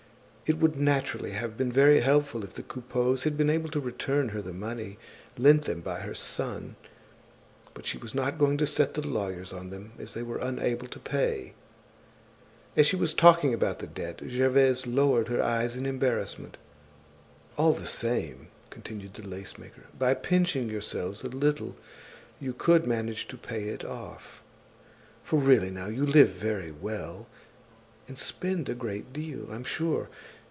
It would naturally have been very helpful if the Coupeaus had been able to return her the money lent them by her son; but she was not going to set the lawyers on them, as they were unable to pay. As she was talking about the debt, Gervaise lowered her eyes in embarrassment. "All the same," continued the lace maker, "by pinching yourselves a little you could manage to pay it off. For really now, you live very well; and spend a great deal, I'm sure.